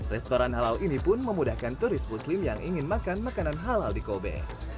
restoran halal ini pun memudahkan turis muslim yang ingin makan makanan halal di kobe